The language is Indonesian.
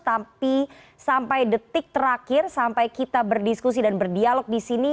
tapi sampai detik terakhir sampai kita berdiskusi dan berdialog di sini